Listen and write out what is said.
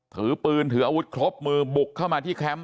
ถือปืนถืออาวุธครบมือบุกเข้ามาที่แคมป์